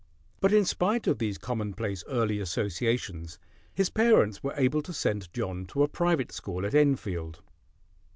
But in spite of these commonplace early associations his parents were able to send John to a private school at Enfield.